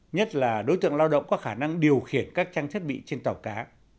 nhất là đối tượng lao động có khả năng điều khiển các trang thiết bị trên tàu cá